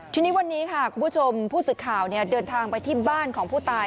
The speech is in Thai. ทีนี้วันนี้ค่ะคุณผู้ชมผู้สื่อข่าวเดินทางไปที่บ้านของผู้ตาย